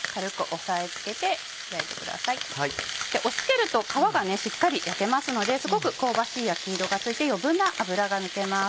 押し付けると皮がしっかり焼けますのですごく香ばしい焼き色がついて余分な油が抜けます。